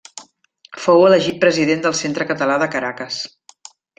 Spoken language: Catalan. Fou elegit president del Centre Català de Caracas.